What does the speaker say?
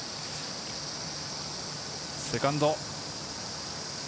セカンド。